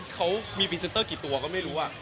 เขามีพรีเซนเตอร์กี่ตัวก็ไม่รู้